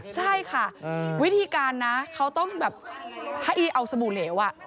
ใช่ค่ะวิธีการนะเขาต้องแบบให้เอาสบู่เหลว